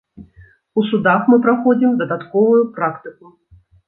У судах мы праходзім дадатковую практыку.